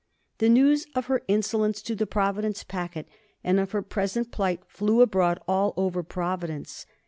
The news of her insolence to the Providence packet and of her present plight flew abroad all over Providence.